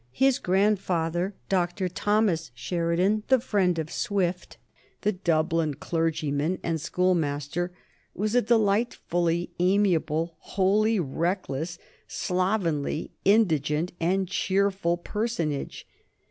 His grandfather, Dr. Thomas Sheridan, the friend of Swift, the Dublin clergyman and schoolmaster, was a delightfully amiable, wholly reckless, slovenly, indigent, and cheerful personage.